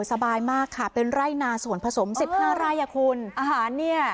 สบายมากค่ะเป็นไร่นาส่วนผสมสิบห้าไร่อ่ะคุณอาหารเนี่ย